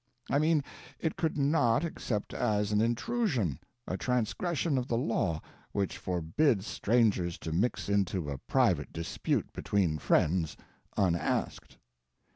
I mean, it could not except as an intrusion, a transgression of the law which forbids strangers to mix into a private dispute between friends, unasked.